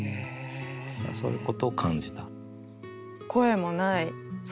そういうことを感じた。